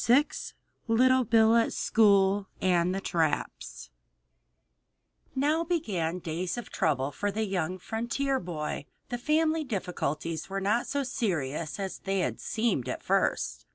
II LITTLE BILL AT SCHOOL AND AT THE TRAPS Now began days of trouble for the young frontier boy. The family difficulties were not so serious as they had seemed at first.